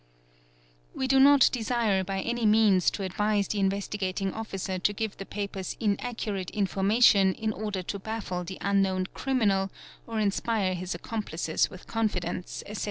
We do not desire by any means to advise the Investigating Officer to give the papers inaccurate information in order to baffle the unknown criminal or inspire his accomplices with confidence, etc.